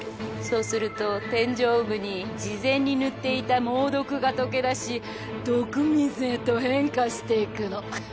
そうすると天井部に事前に塗っていた猛毒が溶け出し毒水へと変化していくの。